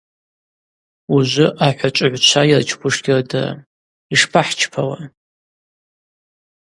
Ужвы ахӏвачӏвыгӏвчва йырчпуш гьырдырам: Йшпахӏчпауа?